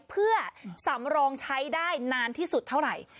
เพื่อสำรองใช้ได้นานที่สุดเท่าไหร่